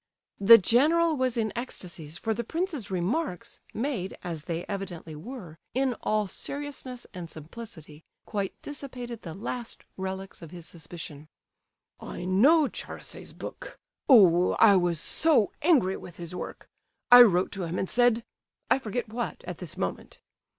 The general was in ecstasies, for the prince's remarks, made, as they evidently were, in all seriousness and simplicity, quite dissipated the last relics of his suspicion. "I know Charasse's book! Oh! I was so angry with his work! I wrote to him and said—I forget what, at this moment.